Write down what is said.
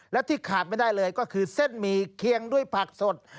และที่ขาดไม่ได้เลยก็คือเส้นหมี่เคียงด้วยผักสด